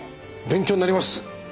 勉強になります！